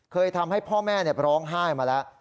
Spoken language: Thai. เคยทำให้พ่อแม่ร้องไห้มาแล้ว